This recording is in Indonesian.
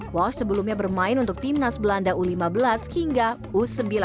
walsh sebelumnya bermain untuk timnas belanda u lima belas hingga u sembilan belas